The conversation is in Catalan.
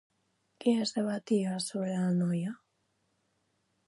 Què es debatia sobre la noia?